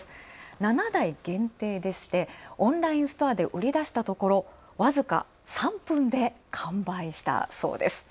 七台限定でしてオンラインストアで売り出したところ、わずか三分で完売したそうです。